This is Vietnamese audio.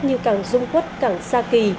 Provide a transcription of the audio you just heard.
như cảng dung quất cảng sa kỳ